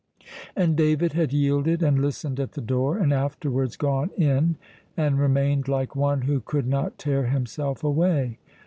And David had yielded and listened at the door, and afterwards gone in and remained like one who could not tear himself away.